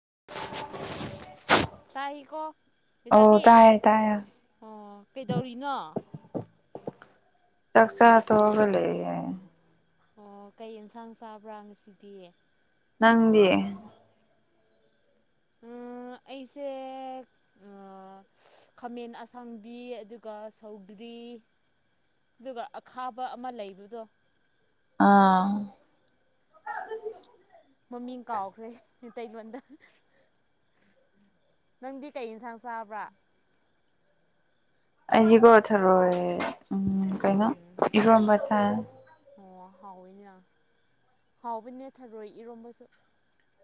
[inaudible] ꯇꯥꯛꯏꯀꯣ ꯑꯧ ꯂꯩꯁꯥꯕꯤ ꯇꯥꯏꯌꯦ ꯇꯥꯏꯌꯦ ꯑꯣ ꯀꯩꯗꯧꯔꯤꯅꯣ ꯆꯛꯁꯥ ꯍꯧꯒꯦ ꯑꯣ ꯀꯩ ꯑꯦꯟꯁꯥꯡ ꯆꯥꯕ꯭ꯔꯥ ꯉꯁꯤꯗꯤ ꯅꯪꯗꯤ [inaudible] [inaudible] ꯈꯥꯃꯦꯟ ꯑꯁꯥꯡꯕꯤ ꯑꯗꯨꯒ ꯁꯧꯗ꯭ꯔꯤ ꯑꯗꯨꯒ ꯑꯈꯥꯕ ꯑꯃ ꯂꯩꯕꯗꯣ ꯑꯥ ꯃꯃꯤꯡ ꯀꯥꯎꯈ꯭ꯔꯦ ꯏꯇꯩꯂꯣꯟꯗ ꯅꯪꯗꯤ ꯀꯩ ꯌꯦꯟꯁꯥꯡ ꯆꯥꯕ꯭ꯔꯥ ꯑꯩꯗꯤ ꯀꯣꯊꯔꯣꯏꯦ ꯎꯝ ꯀꯩꯅꯣ ꯎꯝ ꯏꯔꯣꯟꯝꯕ ꯑꯣ ꯍꯥꯎꯋꯤꯅꯦ ꯍꯥꯎꯕꯅꯦ ꯊꯔꯣꯏ ꯏꯔꯣꯝꯕꯁꯨ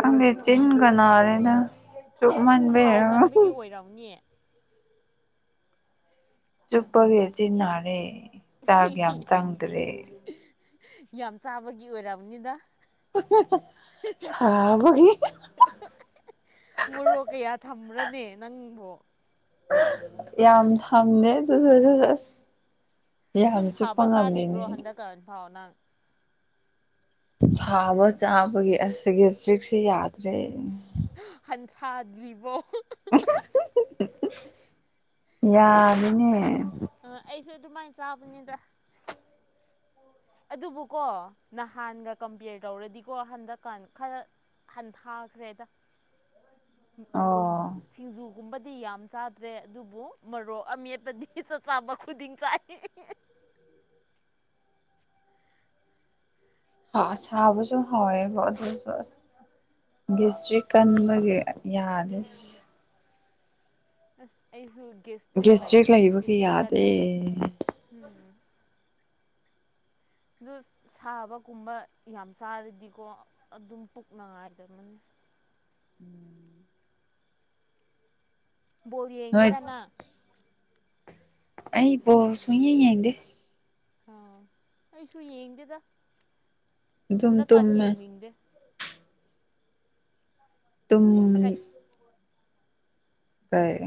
ꯀꯪꯦ ꯆꯤꯟꯒꯅꯔꯦꯅ ꯎꯝ ꯁꯥ ꯃꯟꯕꯒꯤ ꯑꯣꯏꯔꯝꯅꯤꯌꯦ ꯆꯨꯞꯄꯒꯤꯆꯤꯟꯟꯅꯅꯥꯔꯦ ꯆꯥꯛ ꯌꯥꯝ ꯆꯪꯗ꯭ꯔꯦ ꯌꯥꯝ ꯆꯥꯕꯒꯤ ꯑꯣꯏꯔꯔꯕꯅꯤꯗ ꯁꯥꯕꯒꯤ ꯃꯣꯔꯣꯛ ꯀꯌꯥ ꯊꯝꯕ꯭ꯔꯅꯦ ꯅꯪꯕꯨ ꯌꯥꯝ ꯊꯝꯅꯦ ꯑꯗꯨꯁ ꯑꯗꯨꯝ ꯁꯥꯕ ꯆꯥꯔꯤꯕ꯭ꯔꯣ ꯍꯟꯗꯛꯀ ꯐꯥꯎ ꯅꯪ ꯁꯥꯕ ꯆꯥꯕꯒꯤ ꯑꯁꯤꯒꯤ ꯇ꯭ꯔꯤꯛꯁꯤ ꯌꯥꯗ꯭ꯔꯦ ꯊꯥꯗ꯭ꯔꯤꯕꯣ ꯑꯩ ꯌꯥꯅꯤꯅꯦ ꯑꯩꯁꯨ ꯑꯗꯨꯃꯥꯏꯅ ꯆꯥꯕꯅꯤꯗ ꯑꯗꯨꯕꯨꯀꯣ ꯅꯍꯥꯟꯒ ꯀꯝꯄꯌꯔ ꯇꯧꯔꯗꯤꯀꯣ ꯍꯟꯗꯛꯀꯥꯟ ꯈꯔ ꯍꯟꯊꯥꯈ꯭ꯔꯦꯗ ꯑꯣ ꯒꯨꯝꯕꯗꯤ ꯌꯥꯝ ꯆꯥꯗ꯭ꯔꯦ ꯑꯗꯨꯕꯨ ꯃꯔꯣꯛ ꯑꯃꯦꯠꯄꯗꯤ ꯆꯥꯛ ꯆꯥꯕ ꯈꯨꯗꯤꯡ ꯆꯥꯏ [inaudible] ꯍ ꯁꯥꯕꯁꯨ ꯍꯣꯏ ꯒꯤꯁꯔꯤ ꯀꯟꯕꯒꯤ ꯌꯥꯗꯦ ꯎꯝ ꯑꯁ ꯑꯩꯁꯨ ꯦꯁꯇ꯭ꯔꯤꯛ ꯂꯥꯏ ꯒꯦꯁꯇ꯭ꯔꯤꯛ ꯂꯩꯕꯒꯤ ꯌꯥꯗꯦ ꯦꯁꯇ꯭ꯔꯤꯀꯥꯟꯕꯅ ꯎꯝ ꯑ ꯁꯥꯕꯒꯨꯝꯕ ꯌꯥꯝ ꯆꯥꯔꯗꯤꯀꯣ ꯑꯗꯨꯝ ꯄꯨꯛꯅꯉꯥꯏꯗꯕꯅꯦ ꯎꯝ ꯕꯣꯔ ꯌꯦꯡꯒꯤꯦꯔꯅ ꯑ ꯄꯣ ꯁꯨꯏꯌꯦ ꯑꯗ ꯍ ꯑꯩꯁꯨ ꯌꯦꯡꯗꯦꯗ ꯑꯗꯨꯝ ꯍꯗ ꯀꯥꯥꯟ ꯌꯦ ꯇꯨꯝꯃꯦ ꯃꯤꯗꯦ ꯇꯣꯃꯅꯤ ꯀꯩ ꯀꯥꯏ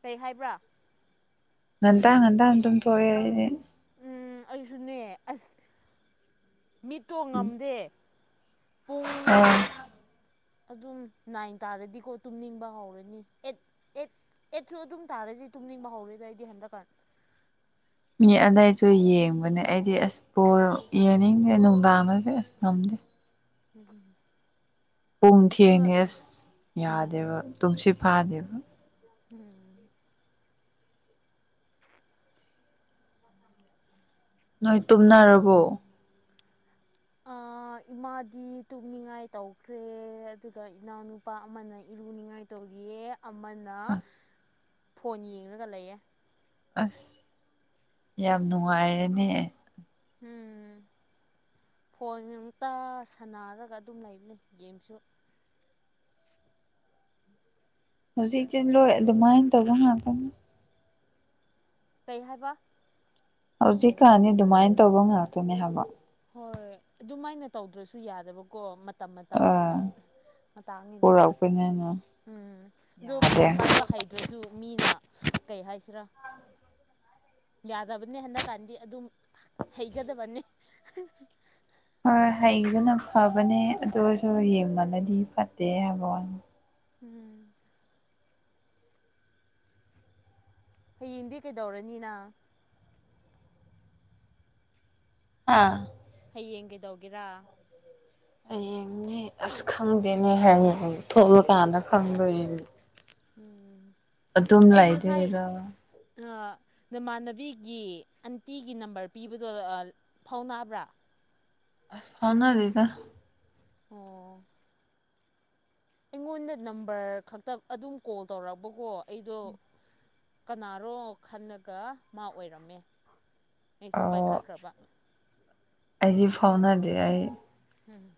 ꯀꯩ ꯍꯥꯏꯕ꯭ꯔꯥ ꯉꯟꯗ ꯉꯟꯗ ꯑꯗꯨꯝ ꯄꯑꯦꯗꯤ ꯎꯝ ꯑꯩꯁꯨꯅꯦ ꯑꯁ ꯃꯤꯠꯇꯣ ꯉꯝꯗꯦ ꯄꯨꯡ ꯑ ꯑꯗꯨꯝ ꯅꯥꯏꯟ ꯇꯥꯔꯗꯤꯀꯣ ꯇꯨꯝꯅꯤꯡꯕ ꯍꯧꯔꯅꯤ ꯑꯦꯠ ꯑꯦꯠ ꯑꯦꯠꯁꯨ ꯑꯗꯨꯝ ꯇꯥꯔꯗꯤ ꯇꯨꯝꯅꯤꯡꯕ ꯍꯧꯔꯦꯗ ꯑꯩꯗꯤ ꯍꯟꯗꯛꯀꯥꯟ ꯃꯤ ꯑꯗꯩꯁꯨ ꯌꯦꯡꯕꯅꯦ ꯑꯩꯗꯤ ꯑꯁ ꯄꯣꯜ ꯌꯦꯡꯅꯤꯡꯗꯦ ꯅꯨꯡꯗꯥꯡꯗꯁꯨ ꯑꯁ ꯉꯝꯗꯦ ꯍ ꯎꯝ ꯄꯨꯡ ꯊꯦꯡꯅꯦ ꯑꯁ ꯎꯝ ꯌꯥꯗꯦꯕ ꯇꯨꯝꯁꯤ ꯐꯥꯗꯦꯕ ꯎꯝ ꯅꯣꯏ ꯇꯨꯝꯅꯔꯕꯣ [unintelligible] ꯑꯥ ꯏꯃꯥꯗꯤ ꯇꯨꯝꯅꯤꯡꯉꯥꯏ ꯇꯧꯈ꯭ꯔꯦ ꯑꯗꯨꯒ ꯏꯅꯥꯎꯅꯨꯄꯥ ꯑꯃꯅ ꯏꯔꯨꯅꯤꯡꯉꯥꯏ ꯇꯧꯔꯤꯌꯦ ꯑꯃꯅ ꯐꯣꯟ ꯌꯦꯡꯂꯡꯒ ꯂꯩꯌꯦ ꯑꯁ ꯌꯥꯝ ꯅꯨꯡꯉꯥꯏꯔꯅꯦ ꯎꯝ ꯐꯣꯟ ꯑꯨꯛꯇ ꯁꯥꯟꯅꯔꯒ ꯑꯗꯨꯝ ꯂꯩꯕ ꯂꯩ ꯒꯦꯝꯁꯨ ꯍꯧꯖꯤꯛꯇꯤ ꯂꯣꯏ ꯑꯗꯨꯃꯥꯏꯅ ꯇꯧꯕ ꯉꯥꯛꯇꯅꯤ ꯀꯩ ꯍꯥꯏꯕ ꯍꯧꯖꯤꯛꯀꯥꯟꯅꯤ ꯑꯗꯨꯃꯥꯏꯅ ꯇꯧꯕ ꯉꯥꯛꯇꯅꯦ ꯍꯥꯏꯕ ꯍꯣꯏ ꯑꯗꯨꯃꯥꯏꯅ ꯇꯧꯗ꯭ꯔꯁꯨ ꯌꯥꯗꯕꯀꯣ ꯃꯇꯝ ꯃꯇꯝꯒꯤ ꯑꯥ ꯃꯇꯥꯡꯅ ꯄꯨꯔꯛꯄꯅꯤꯅ ꯎꯝ ꯑꯣ ꯌꯥꯗꯦ ꯐꯣꯟ ꯄꯥꯏꯕ ꯍꯩꯗ꯭ꯔꯁꯨ ꯃꯤꯅ ꯀꯩ ꯍꯥꯏꯁꯤꯔꯥ ꯌꯥꯗꯕꯅꯤ ꯍꯟꯗꯛꯀꯥꯟꯗꯤ ꯑꯗꯨꯝ ꯍꯩꯒꯗꯕꯅꯤ ꯍꯣꯏ ꯍꯩꯗꯨꯅ ꯐꯕꯅꯦ ꯑꯗꯨꯁꯨ ꯌꯦꯡꯕꯅꯗꯤ ꯐꯠꯇꯦ ꯍꯥꯏꯕ ꯋꯥꯅꯤ ꯎꯝ ꯍꯌꯦꯡꯗꯤ ꯀꯩꯗꯧꯔꯅꯤꯅ ꯑꯥ ꯍꯌꯦꯡ ꯀꯗꯧꯒꯦꯔꯥ ꯍꯌꯦꯡꯅꯦ ꯑꯁ ꯈꯪꯗꯦꯅꯦ ꯍꯥꯏ ꯊꯣꯛꯂꯀꯥꯟꯗ ꯈꯪꯗꯣꯏꯌꯦꯅꯦ ꯎꯝ ꯑꯗꯨꯝ ꯑꯩ ꯂ ꯉꯁꯥꯏ ꯏꯗꯔ ꯅꯃꯥꯟꯅꯕꯤꯒꯤ ꯑꯟꯇꯤꯒꯤ ꯅꯝꯕꯔ ꯄꯤꯕꯗꯣ ꯐꯥꯎꯅꯥꯕ꯭ꯔꯥ ꯑ ꯐꯅ ꯂꯩꯦꯒ ꯑꯣ ꯑꯩꯉꯣꯟꯗ ꯅꯝꯕꯔ ꯈꯛꯇ ꯑꯗꯨꯝ ꯀꯣꯜ ꯇꯧꯔꯛꯕꯀꯣ ꯑꯩꯗꯣ ꯀꯅꯥꯅꯣ ꯈꯜꯂꯒ ꯃꯥ ꯑꯣꯏꯔꯝꯃꯦ ꯑꯩꯁꯨ ꯑꯣ ꯄꯥꯏꯈꯠꯈ꯭ꯔꯕ ꯑꯩꯗꯤ ꯐꯥꯎꯅꯥꯗꯤ ꯑꯩ ꯎꯝ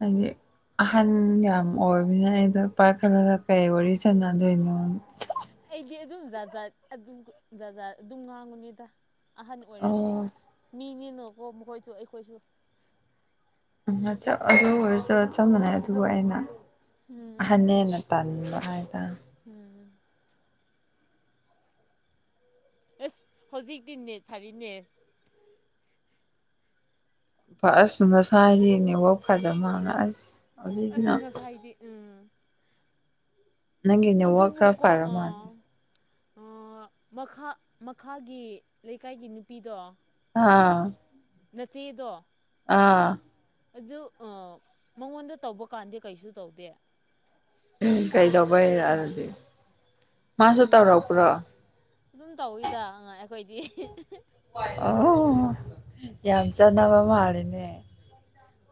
ꯍꯥꯏꯦ ꯑꯍꯟ ꯌꯥꯝ ꯑꯣꯏꯕꯅ ꯑꯩꯗ ꯄꯥꯏꯈꯠꯂꯒ ꯀꯩ ꯋꯥꯔꯤ ꯁꯥꯟꯅꯗꯣꯏꯅꯣ ꯑꯩꯗꯤ ꯑꯗꯨꯝ ꯖꯥ ꯑꯗꯨꯝ ꯖꯥꯖꯥ ꯑꯗꯨꯝ ꯉꯥꯡꯉꯨꯅꯦꯗ ꯑꯍꯟ ꯑꯣꯏꯔꯁꯨ ꯑꯣ ꯃꯤꯅꯤꯅꯀꯣ ꯃꯈꯣꯏꯁꯨ ꯑꯩꯈꯣꯏꯁꯨ ꯎ ꯑꯗꯨ ꯑꯣꯏꯔꯁꯨ ꯆꯞ ꯃꯥꯟꯅꯩ ꯑꯗꯨꯕꯨ ꯑꯩꯅ ꯑꯍꯟꯅ ꯎꯝ ꯍꯟꯅ ꯇꯟꯕ ꯐꯗ ꯎꯝ ꯑꯁ ꯍꯧꯖꯤꯛꯇꯤꯅꯦ ꯊꯥꯔꯤꯅꯦ ꯑꯁꯁꯨ ꯅꯁꯥꯁꯤꯅꯦꯋꯥꯛ ꯐꯖꯕ ꯃꯥꯅ ꯑꯁ ꯑꯁ ꯍꯧꯖꯤꯛꯅ ꯉꯁꯥꯏꯗꯤ ꯎꯝ ꯅꯪꯅꯦ ꯋꯥ ꯀ꯭ꯔꯥꯐ ꯑꯗꯨꯕꯨꯀꯣ ꯑꯔꯝ ꯃꯥꯗꯦ ꯑꯥ ꯃꯈꯥ ꯃꯈꯥꯒꯤ ꯂꯩꯀꯥꯏꯒꯤ ꯅꯨꯄꯤꯗꯣ ꯍꯥꯥ ꯅꯠꯇꯤꯗ ꯑꯥ ꯑꯗꯨ ꯃꯉꯣꯟꯗ ꯇꯧꯕ ꯀꯥꯟꯗ ꯀꯩꯁꯨ ꯇꯧꯗꯦ ꯎꯝ ꯀꯩꯗꯧꯕꯩꯔꯗꯤ ꯃꯥꯁꯨ ꯈꯪꯗꯦ ꯇꯧꯔꯛꯄ꯭ꯔꯣ ꯑꯗꯨꯝ ꯇꯧꯋꯤꯗ ꯑꯩꯈꯣꯏꯗꯤ ꯑꯣ ꯌꯥꯝꯆꯥ ꯅꯕ ꯃꯥꯂꯤꯅꯦ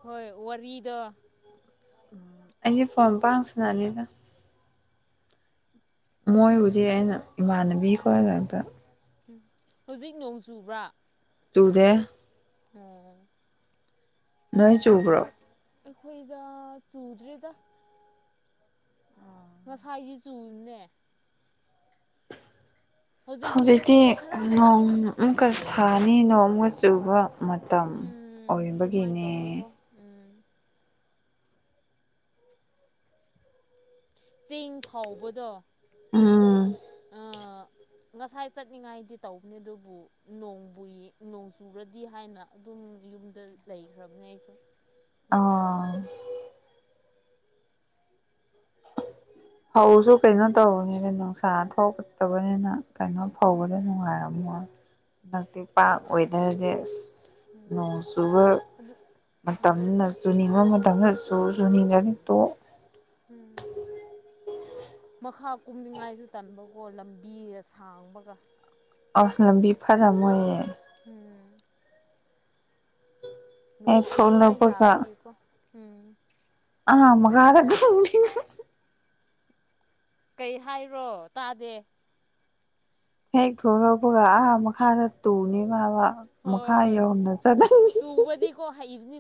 ꯍꯣꯏ ꯋꯥꯔꯤꯔꯤꯗ ꯑꯩꯁꯦ ꯐꯣꯟ ꯄꯥꯡ ꯁꯅꯅꯤꯗ ꯃꯣꯏꯕꯨꯗꯤ ꯑꯩꯅ ꯏꯃꯥꯟꯅꯕꯤ ꯈꯔꯒꯇ ꯎ ꯍꯧꯖꯤꯛ ꯅꯣꯡ ꯆꯨꯕ꯭ꯔꯥ ꯇꯨꯗꯦ ꯎꯝ ꯅꯣꯏ ꯆꯕ꯭ꯔꯣ ꯑꯩꯈꯣꯏꯗ ꯆꯨꯗ꯭꯭ꯔꯔꯤꯗ ꯉꯁꯥꯏꯒꯤ ꯆꯨꯔꯤꯅꯦ ꯍꯧꯖꯤꯛꯇꯤ ꯈꯔ ꯈꯔ ꯅꯣꯡ ꯑꯃꯨꯛꯀ ꯁꯥꯅꯤ ꯅꯣꯡꯃꯨꯛꯀ ꯆꯨꯕ ꯃꯇꯝ ꯎꯝ ꯑꯗꯨꯃꯥꯏꯅ ꯑꯣꯏꯕꯒꯤꯅꯦ ꯇꯧꯋꯤꯀꯣ ꯎꯝ ꯆꯦꯡ ꯐꯥꯎꯕꯗꯣ ꯑꯥ ꯑ ꯉꯁꯥꯏ ꯆꯠꯅꯤꯡꯉꯥꯏꯗꯤ ꯇꯧꯕꯅꯦ ꯑꯗꯨꯕꯨ ꯅꯣꯡꯕꯨ ꯅꯣꯡ ꯆꯨꯔꯗꯤ ꯍꯥꯏꯅ ꯑꯗꯨꯝ ꯌꯨꯝꯗ ꯂꯩꯈ꯭ꯔꯕꯅꯦ ꯑꯩꯁꯨ ꯃꯈꯥꯏꯗ ꯑꯥ ꯍꯧꯧꯁꯨ ꯀꯩꯅꯣ ꯇꯧꯕꯅꯤꯅ ꯅꯨꯡꯁꯥ ꯊꯣꯛꯛꯇꯕꯅꯤꯅ ꯀꯩꯅꯣ ꯐꯧꯕꯗꯣ ꯎꯝ ꯅꯨꯡꯉꯥꯏꯔꯝꯃꯣꯏ ꯍꯟꯗꯛꯇꯤ ꯄꯥꯔ ꯋꯦꯗꯔꯁꯦ ꯑꯁ ꯅꯣꯡ ꯎꯝ ꯆꯨꯕ ꯑꯗꯨ ꯎꯝ ꯃꯇꯝꯅ ꯆꯨꯅꯤꯡꯕ ꯃꯇꯝꯗ ꯁꯁꯨꯅꯤꯒꯅꯤ ꯇꯣ ꯎꯝ ꯃꯈꯥ ꯀꯨꯝꯅꯤꯡꯉꯥꯏꯁꯨ ꯇꯟꯕꯀꯣ ꯂꯝꯕꯤꯗ ꯁꯥꯡꯕꯒ ꯑꯁꯅꯕꯤ ꯐꯔꯝꯣꯏꯌꯦ ꯎꯝ ꯍꯦꯛ ꯅꯣꯡ ꯑꯗꯨꯃꯥꯏꯅ ꯊꯣꯛꯂꯛꯄꯒ ꯇꯥꯕꯒꯤꯀꯣ ꯎꯝ ꯑꯃꯒꯗ ꯀꯩ ꯍꯥꯏꯔꯣ ꯇꯥꯗꯦ ꯍꯦꯛ ꯊꯣꯡ ꯂꯄꯒ ꯑꯥ ꯃꯈꯥꯗ ꯇꯨꯅꯦ ꯃꯥꯕ ꯍꯣꯏ ꯃꯈ ꯈꯥꯏ ꯍꯣꯏ ꯌꯅ ꯆ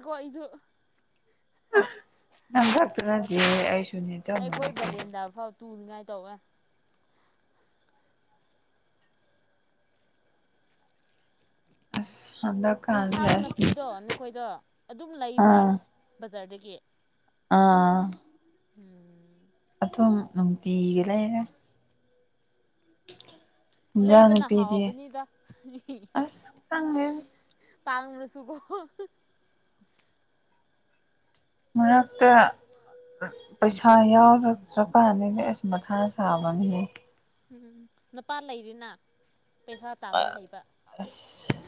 ꯀꯣ ꯏꯗꯨ ꯅꯪꯒꯛꯇ ꯅꯠꯇꯦ ꯑꯁ ꯑꯩ ꯑꯩꯈꯣꯏ ꯕꯔꯦꯟꯗꯐꯥꯎ ꯇꯨꯅꯤꯉꯥꯏ ꯇꯧꯋꯦ ꯑꯁ ꯍꯟꯗꯛꯀꯥꯟꯁꯦ ꯌꯦꯟꯁꯥꯡ ꯑꯁ ꯅꯥꯄꯤꯗꯣ ꯅꯈꯣꯏꯗꯣ ꯑꯗꯨꯝ ꯂꯩꯕ꯭ꯔꯥ ꯑꯥ ꯕꯖꯥꯔꯗꯒꯤ ꯑꯥ ꯎꯝ ꯑꯊꯝ ꯅꯨꯡꯇꯤꯒꯤ ꯂꯩꯔꯦ [unintelligible] ꯂꯩꯕꯅ ꯅꯨꯄꯤꯗꯤ ꯍꯥꯎꯕꯅꯤꯗ ꯑꯁ ꯈꯪꯗꯦꯗ ꯇꯥꯥꯡꯅꯁꯨꯕꯣ ꯃꯛꯇ ꯄꯩꯁꯥ ꯌꯥꯎꯔꯁꯨꯀꯅꯤꯅꯦ ꯑꯁ ꯃꯊꯥ ꯁꯥꯕꯅꯤꯅꯦ ꯎꯝ ꯎꯝ ꯅꯨꯄꯥ ꯂꯩꯔꯤꯅ ꯄꯩꯁꯥ ꯇꯝꯕ ꯍꯩꯕ ꯑꯁ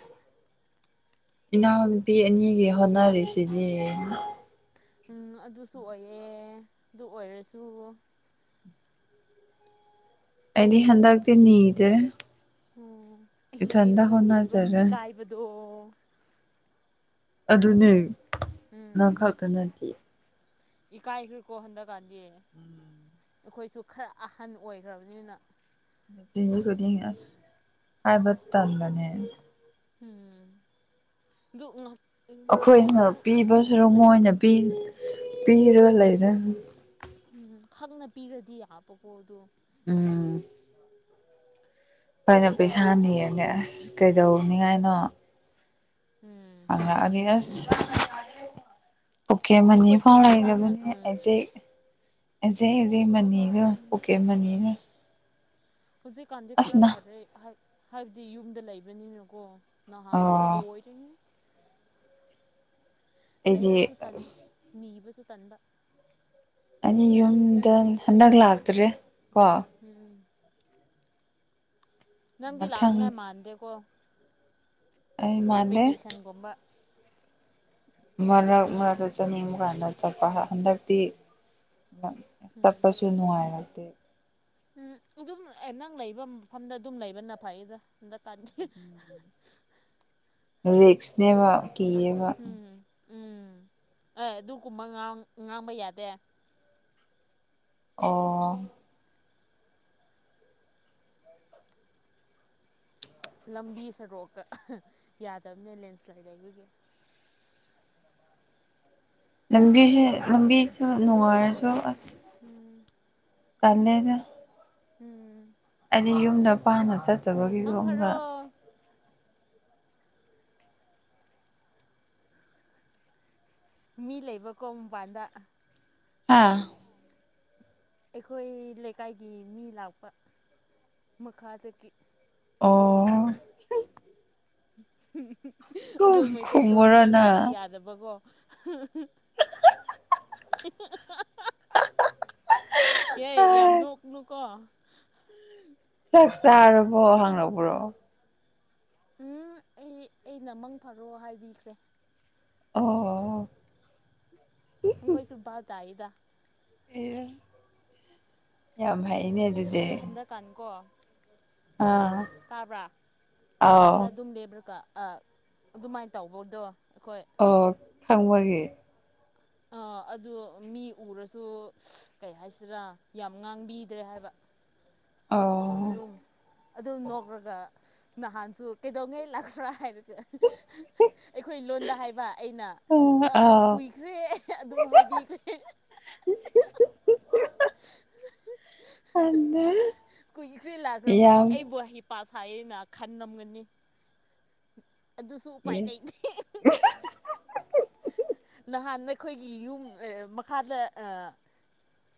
ꯏꯅꯥꯎꯅꯨꯄꯤ ꯑꯅꯤꯒꯤ ꯍꯣꯠꯅꯔꯤꯁꯤꯅꯦ ꯎꯝ ꯑꯗꯨꯁꯨ ꯑꯣꯏꯌꯦ ꯑꯗꯨ ꯑꯣꯏꯔꯁꯨ ꯑꯩꯗꯤ ꯍꯟꯗꯒꯇꯅꯤꯗ꯭ꯔꯦ ꯑꯣ ꯑꯩꯁꯨ ꯅꯤꯕ ꯏꯀꯥꯏꯕꯗꯣ ꯑꯗꯨꯅꯦ ꯅꯪ ꯈꯥꯛꯇ ꯅꯠꯇꯦ ꯏꯀꯥꯏ ꯏꯈ ꯀꯣ ꯍꯟꯗꯀꯥꯟꯗ ꯑꯩꯈꯣꯏꯁꯨ ꯈꯔ ꯑꯍꯟ ꯑꯣꯏꯈ꯭ꯔꯕꯅꯤꯅ [unintelligible] ꯈꯨꯗꯤ ꯍꯥꯏꯕ ꯇꯥꯟꯂꯅꯦ ꯎꯝ ꯑꯗꯨ ꯎ ꯑꯩꯈꯣꯏꯅ ꯄꯤꯕꯁꯨꯔ ꯂꯩ ꯃꯣꯏꯅ ꯄꯤ ꯄꯤꯔꯒ ꯎꯝ ꯂꯩꯔ ꯎꯝ ꯈꯪꯅ ꯄꯤꯔꯗꯤ ꯌꯥꯕꯀꯣ ꯑꯗꯣ ꯎꯝ ꯑꯩꯏꯅ ꯄꯩꯁꯥꯅꯤ ꯌꯦꯡꯅꯦ ꯑꯁ ꯀꯩꯗꯧꯅꯤꯉꯥꯏꯅꯣ ꯎꯝ ꯑ ꯑꯗꯤ ꯅꯤꯗꯕꯅꯦ ꯑꯣꯀꯦ ꯃꯅꯤ ꯑꯩꯈꯣꯏꯁꯨ ꯐꯥꯎ ꯃꯤꯅꯤꯅ ꯂꯩꯗꯕꯅꯦ ꯎꯝ ꯑꯩꯁꯦ ꯑꯦꯖꯩꯖꯩ ꯑꯗꯨꯅꯦ ꯃꯅꯤꯔ ꯎꯝ ꯑꯣꯀꯦ ꯃꯅꯤꯔ ꯍꯧꯖꯤꯛꯀꯥꯟꯗꯤ ꯈꯔ ꯐꯔꯦ ꯍꯥꯏꯕꯗꯤ ꯌꯨꯝꯗ ꯂꯩꯕꯅꯤꯅꯀꯣ ꯅ ꯍꯥꯟ ꯑꯣ ꯑꯗꯨꯗꯤ ꯂꯣꯏꯅꯤ ꯑꯩꯗꯤ ꯅꯩꯕꯁꯨ ꯀꯟ ꯅꯤꯕꯁꯨ ꯀꯟꯕ ꯑꯅꯤ ꯌꯨꯝꯗ ꯍꯟꯒ ꯂꯥꯛꯇ꯭ꯔꯔꯤ ꯎꯝ ꯅꯪꯗꯤ ꯃꯊꯪ ꯂꯥꯛꯅꯤꯉꯥꯏ ꯃꯥꯟꯗꯦꯀꯣ ꯑꯩ ꯃꯥꯟꯗꯦ ꯕꯦꯀꯦꯁꯟꯒꯨꯝꯕ ꯃꯔꯅ ꯃꯛꯇ ꯆ ꯃꯤ ꯑꯃꯒꯥꯟꯗ ꯆꯄ ꯍꯟꯗꯛꯗꯤ ꯎꯝ ꯁꯄꯁꯨꯅꯅꯨꯡꯒ ꯎꯝ ꯑꯗꯨꯝ ꯅꯪ ꯂꯩꯕ ꯃꯐꯝꯗ ꯑꯗꯨꯝ ꯂꯩꯕꯅ ꯐꯩꯗ ꯍꯟꯗ ꯄꯅꯤ ꯔꯤꯁꯅꯦꯕ ꯀꯤꯌꯦꯕ ꯎꯝ ꯎꯝ ꯑꯦ ꯑꯗꯨꯒꯨꯝꯕ ꯉꯥꯡꯕ ꯌꯥꯗꯦ ꯑꯣ ꯂꯝꯕꯤ ꯁꯣꯔꯣꯛꯀ ꯌꯥꯗꯕꯅꯦ ꯂꯦꯟꯁ꯭ꯂꯥꯏꯠ ꯂꯩꯕꯒꯤꯦ ꯂꯝꯕꯤꯁꯦ ꯂꯝꯕꯤꯁꯨ ꯅꯨꯡꯉꯥꯏꯔꯁꯨ ꯑꯁ ꯎꯝ ꯀꯂꯦꯗ ꯎꯝ ꯑꯩꯗꯤ ꯌꯨꯝꯗ ꯄꯥꯝꯅ ꯎꯝ ꯃꯪ ꯆꯠꯇꯕꯒꯤꯒꯨꯝꯕ ꯐꯔꯣ ꯃꯤ ꯂꯩꯕꯀꯣ ꯃꯄꯥꯟꯗ ꯑꯥ ꯑꯩꯈꯣꯏ ꯂꯩꯀꯥꯏꯒꯤ ꯃꯤ ꯂꯥꯛꯄ ꯃꯈꯥꯗꯒꯤ ꯑꯣ ꯑꯗꯣ ꯃꯩꯇꯩꯂꯣꯟ ꯈꯨꯝꯃꯨꯔꯣ ꯉꯥꯡꯗ꯭ꯔꯗꯤ ꯅꯪ ꯌꯥꯗꯕꯀꯣ ꯄ ꯄ ꯍꯏ ꯌꯥꯝ ꯅꯣꯛꯅꯨꯀꯣ ꯆꯥꯛ ꯆꯥꯔꯕꯣ ꯍꯪꯉꯛꯄ꯭ꯔꯣ ꯎꯝ ꯑꯩ ꯑꯩꯅ ꯃꯪ ꯐꯔꯛꯣ ꯍꯥꯏꯕꯤꯈ꯭ꯔꯦ ꯑꯣ ꯍꯈꯣꯏꯁꯨꯕꯥ ꯆꯏꯗ ꯌꯥꯝ ꯍꯥꯏꯥꯏ ꯑꯩ ꯍꯟꯗꯛꯀꯥꯟ ꯀꯣ ꯑꯥ ꯇꯥꯕ꯭ꯔꯥ ꯃꯄꯥꯟꯗ ꯑꯥꯎ ꯑꯗꯨꯝ ꯂꯕ꯭ꯔꯥꯀ ꯑꯗꯨꯃꯥꯏꯅ ꯇꯧꯕꯧꯗꯣ ꯑꯣ ꯊꯪꯕꯒꯦ ꯑꯥ ꯑꯗꯨ ꯃꯤ ꯎꯔꯁꯨ ꯀꯩ ꯍꯥꯏꯁꯤꯔꯥ ꯌꯥꯝ ꯉꯥꯡꯕꯤꯗ꯭ꯔꯦ ꯍꯥꯏꯕ [inaudible] ꯑꯗꯨꯝ ꯑꯗꯨꯝ ꯅꯣꯛꯂꯒ ꯅꯍꯥꯟꯁꯨ ꯀꯩꯗꯧꯉꯩ ꯂꯥꯛꯄ꯭ꯔꯥ ꯍꯥꯏꯔ ꯑꯩꯈꯣꯏ ꯂꯣꯟꯗ ꯍꯥꯏꯕ ꯑꯩꯅ ꯑ ꯑꯁ ꯑꯥꯎ ꯀꯨꯏꯈ꯭ꯔꯦ ꯑꯗꯨꯝ ꯍꯥꯏꯗꯤ ꯑꯩꯈ [inaudible] ꯀꯨꯏꯒꯤ ꯀꯨꯏꯅ ꯂꯥꯛꯈ꯭ꯔꯕ ꯌꯥꯝ ꯑꯩꯕꯨꯍ ꯄꯁꯥꯏ ꯑꯩꯅ ꯈꯟꯂꯝꯝꯒꯅꯤ ꯑꯗꯨꯁꯨ ꯎꯄꯥꯏ ꯂꯩꯅꯤ ꯅꯍꯥꯟ ꯑꯩꯈꯣꯏꯒꯤ ꯌꯨꯝ ꯃꯈꯥꯗ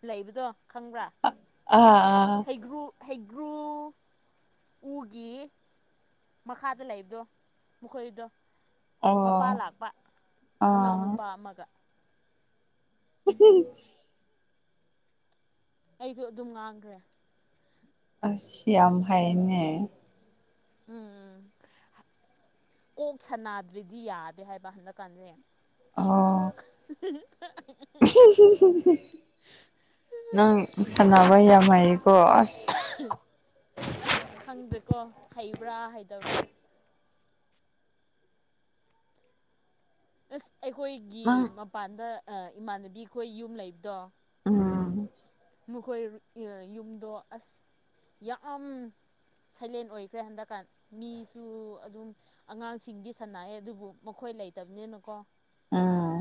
ꯂꯩꯕꯗꯣ ꯈꯪꯕ꯭ꯔꯥ ꯑꯥ ꯑꯥ ꯍꯩꯒ꯭ꯔꯨ ꯍꯩꯒ꯭ꯔꯨ ꯎꯒꯤ ꯃꯈꯥꯗ ꯂꯩꯕꯗꯣ ꯃꯈꯣꯏꯗꯣ ꯃꯄꯥ ꯑꯣ ꯂꯥꯛꯄ ꯑꯥ ꯃꯅꯥꯎꯅꯨꯄꯥ ꯑꯃꯒ ꯎ ꯑꯩꯗꯣ ꯑꯗꯨꯝ ꯉꯥꯡꯈ꯭ꯔꯦ ꯑꯁꯤ ꯌꯥꯝ ꯍꯥꯏꯅꯦ ꯎꯝ ꯎꯝ ꯀꯣꯛ ꯁꯅꯥꯗ꯭ꯔꯤꯗꯤ ꯌꯥꯗꯦ ꯍꯥꯏꯕ ꯍꯟꯗꯛꯀꯥꯟꯁꯦ ꯑꯣ ꯅꯪ ꯁꯥꯟꯅꯅꯕ ꯌꯥꯝꯃꯥꯏ ꯑꯁ ꯈꯪꯗ꯭ꯔꯦꯀꯣ ꯍꯩꯕ꯭ꯔꯥ ꯍꯩꯗꯕ꯭ꯔꯥ ꯑꯁ ꯑꯩꯈꯣꯏꯒꯤ ꯅꯪ ꯃꯄꯥꯟꯗ ꯏꯃꯥꯟꯅꯕꯤ ꯑꯩꯈꯣꯏ ꯌꯨꯝ ꯂꯩꯕꯗꯣ ꯎꯝ ꯃꯈꯣꯏ ꯌꯨꯝꯗꯣ ꯑꯁ ꯌꯥꯝ ꯁꯥꯏꯂꯦꯟ ꯑꯣꯏꯈ꯭ꯔꯦ ꯍꯟꯗꯛꯀꯥꯟ ꯃꯤꯁꯨ ꯑꯗꯨꯝ ꯑꯉꯥꯡꯁꯤꯡꯗꯤ ꯁꯥꯟꯅꯑꯦ ꯑꯗꯨꯕꯨ ꯃꯈꯣꯏ ꯀ ꯂꯩꯇꯕꯅꯤꯅꯨꯀꯣ ꯑꯥ